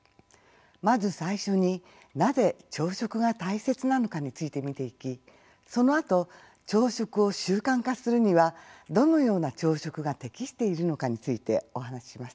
まず最初に「なぜ朝食が大切なのか？」について見ていきそのあと朝食を習慣化するには「どのような朝食が適しているのか？」についてお話しします。